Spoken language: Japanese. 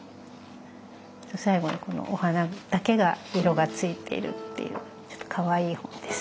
最後にこのお花だけが色がついているっていうちょっとかわいい本です。